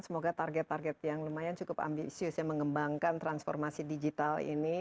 semoga target target yang lumayan cukup ambisius ya mengembangkan transformasi digital ini